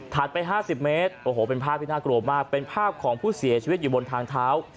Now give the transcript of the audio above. ไป๕๐เมตรโอ้โหเป็นภาพที่น่ากลัวมากเป็นภาพของผู้เสียชีวิตอยู่บนทางเท้า